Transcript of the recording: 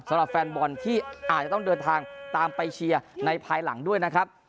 สำหรับแฟนบอลที่อาจจะต้องเดินทางตามไปเชียร์ในภายหลังด้วยนะครับ